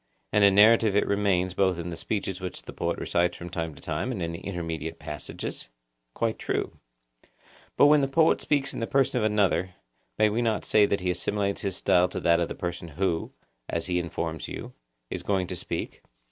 And a narrative it remains both in the speeches which the poet recites from time to time and in the intermediate passages? Quite true. But when the poet speaks in the person of another, may we not say that he assimilates his style to that of the person who, as he informs you, is going to speak?